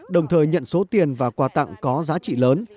đồng thời nhận số tiền và quà tặng có giá trị lớn